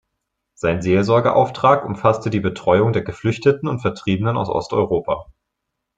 Sein Seelsorge-Auftrag umfasste die Betreuung der Geflüchteten und Vertriebenen aus Osteuropa.